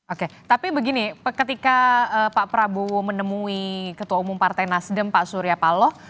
oke tapi begini ketika pak prabowo menemui ketua umum partai nasdem pak surya paloh